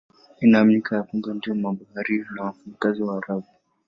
Inaaminika ya kwamba ndio mabaharia na wafanyabiashara Waarabu.